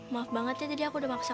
maaf banget ya tadi aku udah maksa kamu